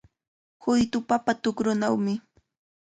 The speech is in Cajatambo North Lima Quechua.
Huytu papa tukrunawmi.